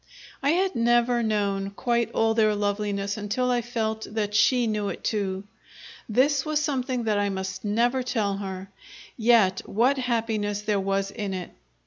I had never known quite all their loveliness until I felt that she knew it too. This was something that I must never tell her yet what happiness there was in it!